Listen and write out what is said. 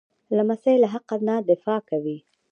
لمسی له حق نه دفاع کوي.